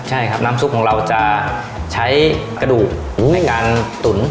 ใช่ครับน้ำซุปของเราจะใช้กระดูกในการตุ๋น